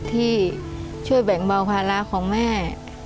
ที่ช่วยแบ่งเบาภาระของแม่